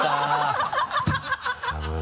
ハハハ